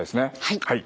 はい。